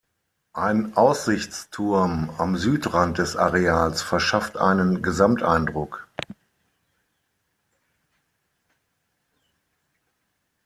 Ein Aussichtsturm am Südrand des Areals verschafft einen Gesamteindruck.